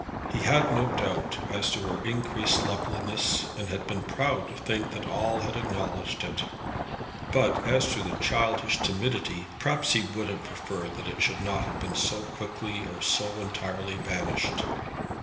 He had no doubt as to her increased loveliness, and had been proud to think that all had acknowledged it. But as to the childish timidity, perhaps he would have preferred that it should not have been so quickly or so entirely banished.